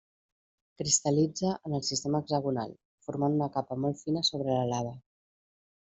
Cristal·litza en el sistema hexagonal, formant una capa molt fina sobre la lava.